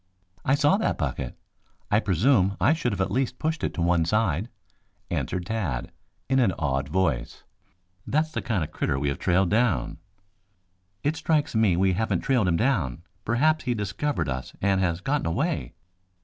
"I saw that bucket. I presume I should have at least pushed it to one side," answered Tad in an awed voice. "That's the kind of a critter we have trailed down." "It strikes me we haven't trailed him down. Perhaps he discovered us and has gotten away."